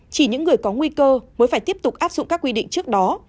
chỉ những người có nguy cơ mới phải tiếp tục áp dụng các quy định trước đó